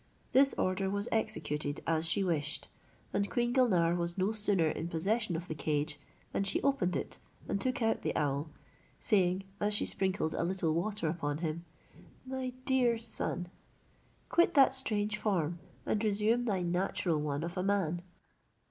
This order was executed as she wished, and queen Gulnare was no sooner in possession of the cage, than she opened it, and took out the owl, saying, as she sprinkled a little water upon him, "My dear son, quit that strange form, and resume thy natural one of a man."